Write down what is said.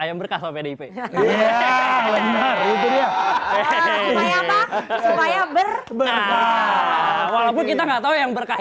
ayam berkas oleh pdip ya benar itu dia supaya berberapa walaupun kita nggak tahu yang berkah